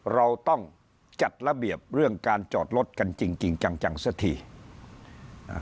เราต้องจัดระเบียบเรื่องการจอดรถกันจริงจริงจังจังสักทีอ่า